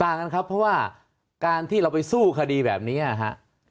กันครับเพราะว่าการที่เราไปสู้คดีแบบนี้นะฮะ